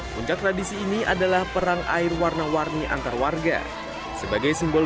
puncak tradisi ini adalah perang air warna warni antar warga sebagai simbol